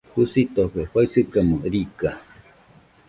Jusitofe faɨsɨkamo riga.